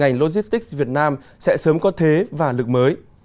chống có thế và lực mới